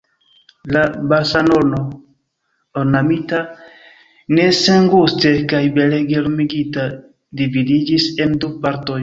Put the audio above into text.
La balsalono, ornamita ne senguste, kaj belege lumigita, dividiĝis en du partoj.